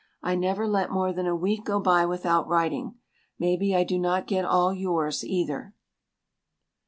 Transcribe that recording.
I never let more than a week go by without writing. Maybe I do not get all yours, either.